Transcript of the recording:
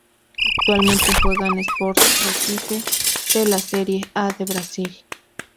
Actualmente juega en Sport Recife, de la Serie A de Brasil.